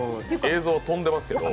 映像、飛んでますけど。